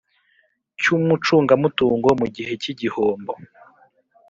cy umucungamutungo mu gihe cy igihombo